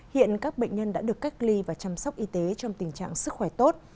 hiện các bệnh nhân đã được cách ly và chăm sóc y tế trong tình trạng sức khỏe tốt